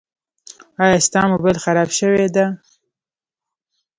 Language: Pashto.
ایا ستا مبایل خراب شوی ده؟